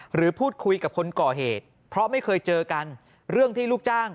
หรือพูดคุยกับคนก่อเหตุเพราะไม่เคยเจอกันเรื่องที่ลูกจ้าง